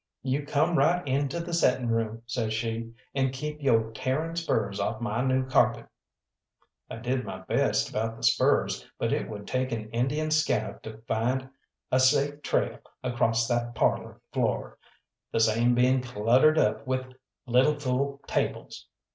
"You come right into the settin' room," says she, "and keep yo' tearing spurs off my new carpet." I did my best about the spurs, but it would take an Indian scout to find a safe trail across that parlour floor, the same being cluttered up with little fool tables.